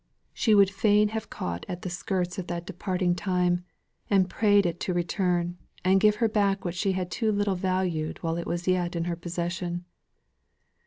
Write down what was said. She would fain have caught at the skirts of that departing time, and prayed it to return, and give her back what she had too little valued while it was yet in her possession.